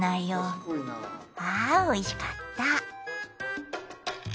ああおいしかった。